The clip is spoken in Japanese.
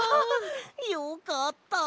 よかった。